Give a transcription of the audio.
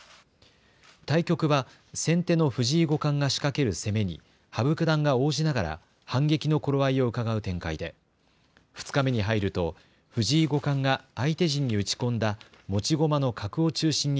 対局は先手の藤井五冠が仕掛ける攻めに羽生九段が応じながら反撃の頃合いをうかがう展開で２日目に入ると藤井五冠が相手陣に打ち込んだ